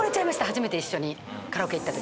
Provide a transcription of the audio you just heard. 初めて一緒にカラオケ行った時。